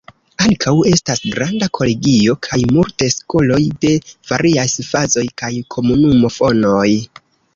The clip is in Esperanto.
Ankaŭ, estas granda kolegio, kaj multe skoloj de varias fazoj kaj komunumo fonoj.